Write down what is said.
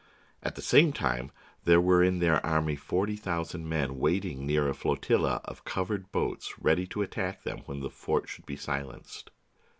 At the same time there were in their army forty thousand men waiting near a flotilla of covered boats ready to attack when the fort should be silenced.